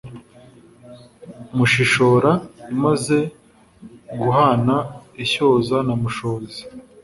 mushishora imaze guhana ishyoza na mushozi,